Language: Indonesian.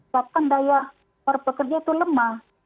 bahkan daya per pekerja itu lemah